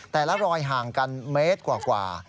แต่ละรอยห่างกันเมตรกว่า